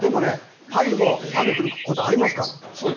パリも雨が降ることはありますから。